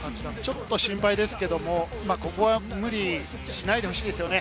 ちょっと心配なんですけれども、無理しないでほしいですね。